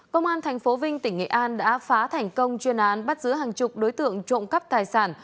công an tp vinh tỉnh nghệ an đã phá thành công chuyên án bắt giữ hàng chục đối tượng trộm cắp tài sản